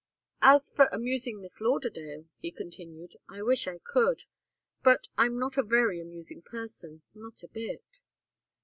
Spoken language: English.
"As for amusing Miss Lauderdale," he continued, "I wish I could. But I'm not a very amusing person not a bit."